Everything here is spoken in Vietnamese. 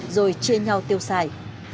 rồi chia nhau tiêu xài